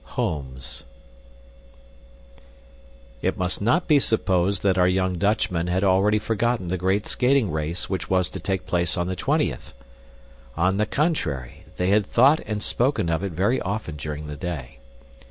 Homes It must not be supposed that our young Dutchmen had already forgotten the great skating race which was to take place on the twentieth. On the contrary, they had thought and spoken of it very often during the day.